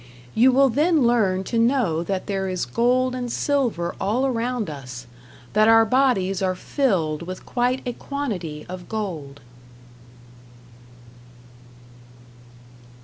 You will then learn to know that there is gold and silver all around us. That our bodies are filled with quite a quantity of gold.